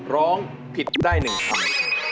ร้องผิดได้๑คำ